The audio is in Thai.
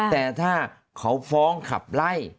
แต่ถ้าเขาฟ้องขับไล่